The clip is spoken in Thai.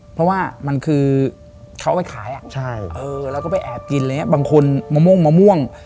เพราะว่ามันคือเขาเอาไปขายเราก็ไปแอบกินอะไรอย่างนี้บางคนมะม่วงมะม่วง